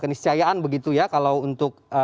keniscayaan begitu ya kalau untuk